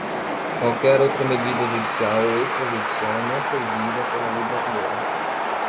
qualquer outra medida judicial ou extrajudicial não proibida pela lei brasileira.